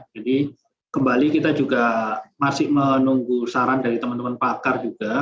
jadi kembali kita juga masih menunggu saran dari teman teman pakar juga